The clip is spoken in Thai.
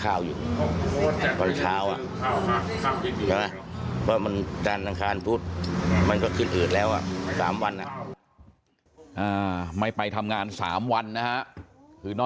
อ่าไม่ไปทำงานสามวันนะคะ